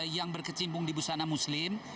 yang berkecimpung di busana muslim